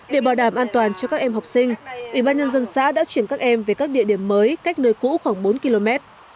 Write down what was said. để bảo đảm an toàn cho các em học sinh ủy ban nhân dân xã đã chuyển các em về các địa điểm mới cách nơi cũ khoảng bốn km